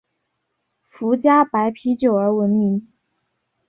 福佳白啤酒而闻名。